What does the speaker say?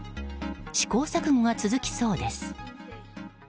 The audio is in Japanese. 試行錯誤が続きそうです。